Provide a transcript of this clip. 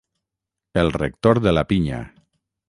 El Rector de La Pinya.